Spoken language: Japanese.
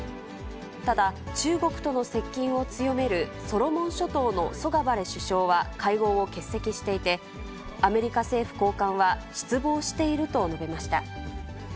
ただ、中国との接近を強めるソロモン諸島のソガバレ首相は会合を欠席していて、アメリカ政府高官は、失望していると述べました。